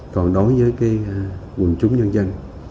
còn đối với quần chúng nhân dân